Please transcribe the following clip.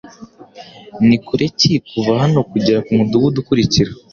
Ni kure ki kuva hano kugera kumudugudu ukurikira?